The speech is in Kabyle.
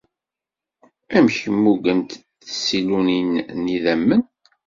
Amek mmugent tsilunin n yidammen?